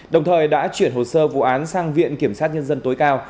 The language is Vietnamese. đồng thời đã chuyển hồ sơ vụ án sang viện kiểm sát nhân dân tối cao